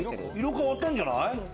色変わったんじゃない？